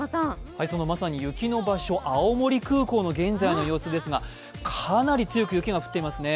まさに雪の場所、青森空港の現在の様子ですがかなり強く雪が降っていますね。